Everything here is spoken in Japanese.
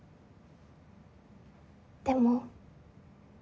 でも。